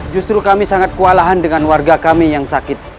justru kami sangat kewalahan dengan warga kami yang sakit